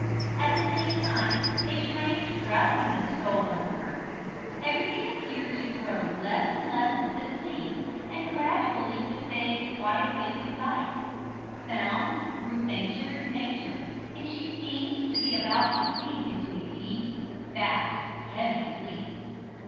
At the same time a strange drowsiness stole over her, everything appeared to grow less and less distinct, and gradually to fade quite away from sight; sounds grew fainter and fainter, and she seemed to be about to sink into a deep, fast, heavy sleep.